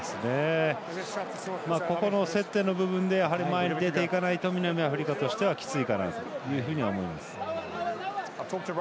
接点の部分前に出ていかないと南アフリカとしてはきついかなというふうに思います。